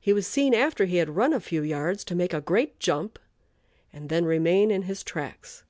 He was seen after he had run a few yards to make a great jump, and then remain in his tracks.